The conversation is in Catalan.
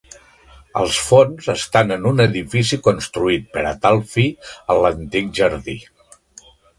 Els fons estan en un edifici construït per a tal fi en l'antic jardí.